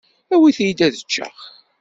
Awit-iyi-d ad ččeɣ.